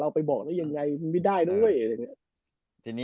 เทปโรคผิดหรอ